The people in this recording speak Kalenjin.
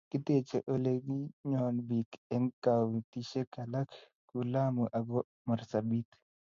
kiteche oleginyoen biik eng kauntishek alak ku lamu ago marsabit